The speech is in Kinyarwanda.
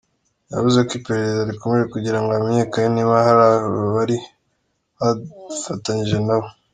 Yavuze ko iperereza rikomeje kugira ngo hamenyekane niba hari abari bafatanije na we.